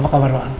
apa kabar pak